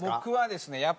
僕はですね